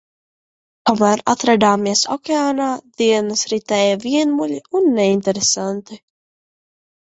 Kamēr atradāmies okeānā, dienas ritēja vienmuļi un neinteresanti.